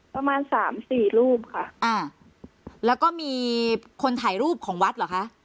ประมาณสามสี่รูปค่ะอ่าแล้วก็มีคนถ่ายรูปของวัดเหรอคะ